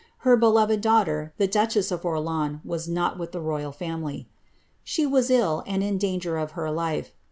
Her beloved daughter, the duchess of Orleans, was not with the royal family. ^ She was ill, and in danger of her life.